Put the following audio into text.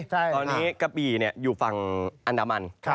ตอนนี้กะบี่อยู่ฝั่งอันดามัน